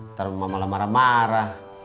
ntar malah marah marah